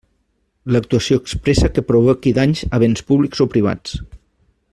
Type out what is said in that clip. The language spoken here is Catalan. L'actuació expressa que provoqui danys a béns públics o privats.